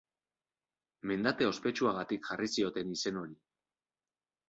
Mendate ospetsuagatik jarri zioten izen hori.